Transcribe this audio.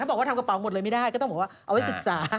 บอกว่าทำกระเป๋าหมดเลยไม่ได้ก็ต้องบอกว่าเอาไว้ศึกษา